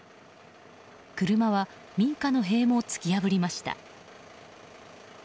車は民家の塀も突き破りました。